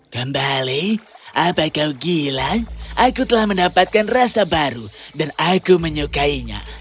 kembali apa kau gila aku telah mendapatkan rasa baru dan aku menyukainya